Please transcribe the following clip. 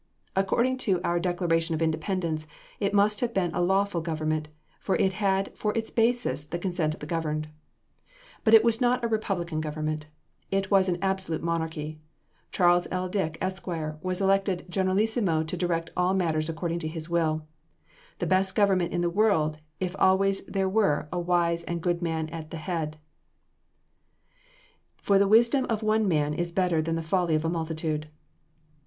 According to our Declaration of Independence, it must have been a lawful government, for it had for its basis the consent of the governed. But it was not a republican government; it was an absolute monarchy Charles L. Dick, Esq., was elected generalissimo to direct all matters according to his will, the best government in the world if always there were a wise and good man at the head; for the wisdom of one man is better than the folly of a multitude.